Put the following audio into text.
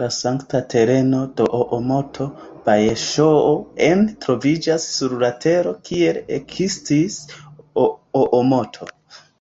La sankta tereno de Oomoto "Bajŝoo-en" troviĝas sur la tero, kie ekestis Oomoto.